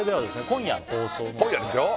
今夜放送のですね